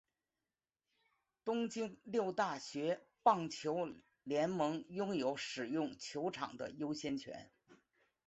东京六大学棒球联盟拥有使用球场的优先权。